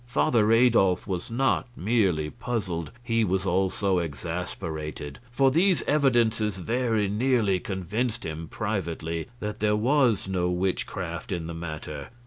Father Adolf was not merely puzzled, he was also exasperated; for these evidences very nearly convinced him privately that there was no witchcraft in the matter.